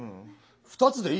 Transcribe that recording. ２つでいいよ。